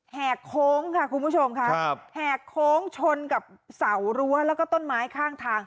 แหกโค้งค่ะคุณผู้ชมค่ะแหกโค้งชนกับเสารั้วแล้วก็ต้นไม้ข้างทาง